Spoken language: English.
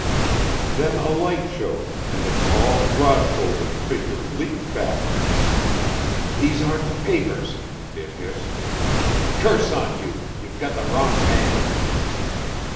Then a light showed and a tall, broad shouldered figure leaped back. "These aren't the papers," it hissed. "Curse on you, you've got the wrong man!"